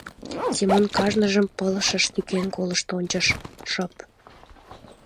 Семон кажныжым пылышыш тӱкен колышт ончыш — шып.